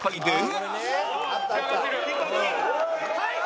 はい！